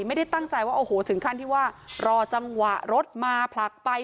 ไม่ได้ตั้งใจว่าโอ้โหถึงขั้นที่ว่ารอจังหวะรถมาผลักไป